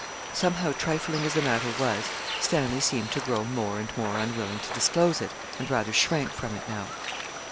Somehow trifling as the matter was, Stanley seemed to grow more and more unwilling to disclose it, and rather shrank from it now.